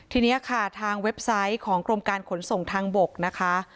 ทีนี้ค่ะทางเว็บไซต์ของกรมการขนส่งทางบกนะคะ